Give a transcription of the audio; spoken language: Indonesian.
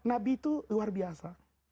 nabi itu luar biasa